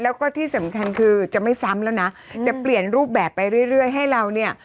แล้วก็ที่สำคัญคือจะไม่ซ้ำแล้วนะจะเปลี่ยนรูปแบบไปเรื่อยให้เราเนี่ย